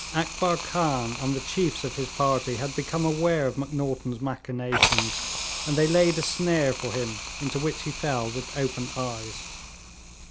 Akbar Khan and the chiefs of his party had become aware of Macnaghten's machinations, and they laid a snare for him into which he fell with open eyes.